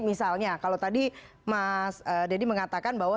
misalnya kalau tadi mas deddy mengatakan bahwa